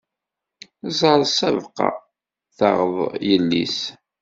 Ẓeṛ ssabqa, taɣeḍ illi-s!